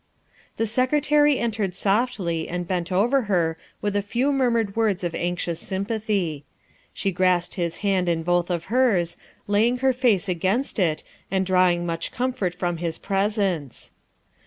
The Secretary entered softly and bent over her with a few murmured words of anxious sympathy. She grasped his hand in both of hers, laying her face against it, and drawing much comfort from his presence.